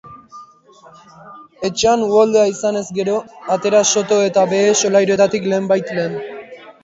Etxean uholdea izanez gero, atera soto eta behe solairuetatik lehen bait lehen.